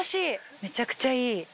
めちゃくちゃいい。